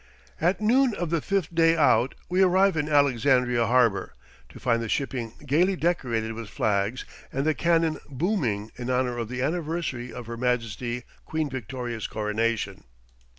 At noon of the fifth day out we arrive in Alexandria Harbor, to find the shipping gayly decorated with flags and the cannon booming in honor of the anniversary of Her Majesty Queen Victoria's coronation.